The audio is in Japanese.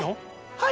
はい。